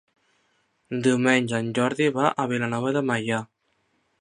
Diumenge en Jordi va a Vilanova de Meià.